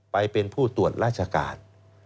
ไปเป็นผู้ตรวจราชการ